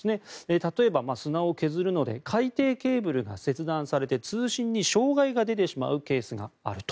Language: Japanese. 例えば砂を削るので海底ケーブルが切断されて通信に障害が出てしまうケースがあると。